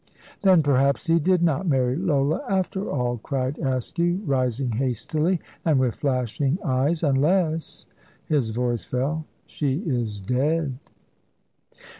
"Then perhaps he did not marry Lola, after all," cried Askew, rising hastily, and with flashing eyes, "unless" his voice fell "she is dead."